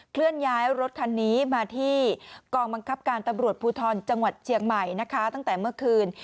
เคลื่อนย้ายรถคันนี้มาที่กองบังคับการตำรวจภูทรจังหวัดเชียงใหม่นะคะตั้งแต่เมื่อคืน